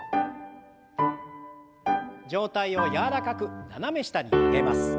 上体を柔らかく斜め下に曲げます。